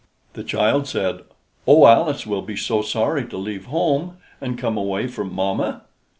The child said, "Oh, Alice will be so sorry to leave home, and come away from mamma!"